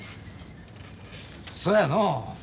そやのう。